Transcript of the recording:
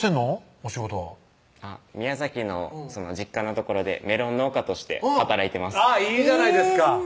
お仕事は宮崎の実家の所でメロン農家として働いてますいいじゃないですか